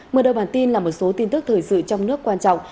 mở đầu bản tin là một số tin tức thời sự trong nước quan trọng